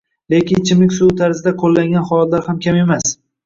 lekin ichimlik suvi tarzida qoʻllangan holatlar ham kam emas